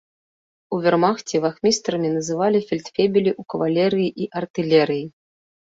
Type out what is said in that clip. У вермахце вахмістрамі называліся фельдфебелі ў кавалерыі і артылерыі.